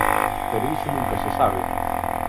Pero iso nunca se sabe.